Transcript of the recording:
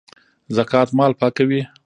زکات مال پاکوي